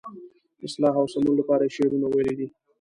اصلاح او سمون لپاره یې شعرونه ویلي دي.